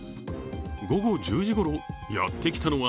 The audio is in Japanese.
午後１０時ごろ、やってきたのは